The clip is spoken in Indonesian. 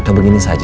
atau begini saja